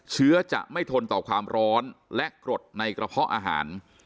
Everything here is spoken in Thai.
เชื้อจะไม่ทนต่อความร้อนและกรดในกระเพาะอาหาร